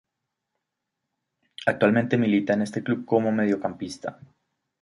Actualmente milita en este club como mediocampista.